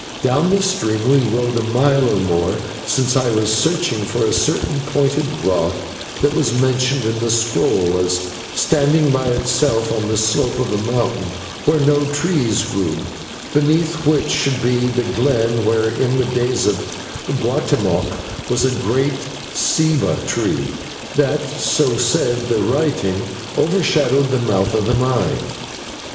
Down this stream we rode a mile or more, since I was searching for a certain pointed rock that was mentioned in the scroll as standing by itself on the slope of a mountain where no trees grew, beneath which should be the glen where in the days of Guatemoc was a great /ceiba/ tree that, so said the writing, overshadowed the mouth of the mine.